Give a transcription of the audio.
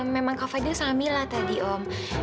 memang kak fadil sama mila tadi om